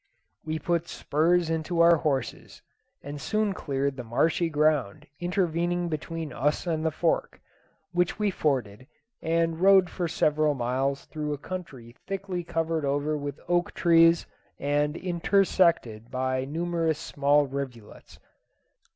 We put spurs into our horses, and soon cleared the marshy ground intervening between us and the Fork, which we forded, and rode for several miles through a country thickly covered over with oak trees and intersected by numerous small rivulets.